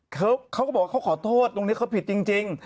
เขาก็บอกว่าเขาขอโทษตรงนี้เขาผิดจริง